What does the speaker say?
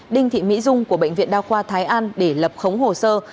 đinh thị mỹ dung của bệnh viện đa khoa thái an để lập khống hồ sơ